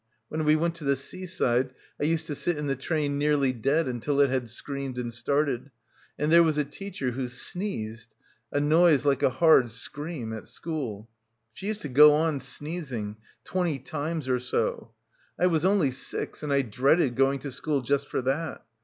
When we went to the sea side I used to sit in the train nearly dead until it had screamed and started. And there was a teacher who sneezed — a noise like a hard scream — at school. She used to go on sneezing — twenty times or so. I was only six and I dreaded going to school just for that.